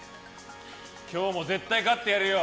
今日も絶対勝ってやるよ。